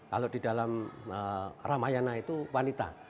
kalau di dalam ramayana itu wanita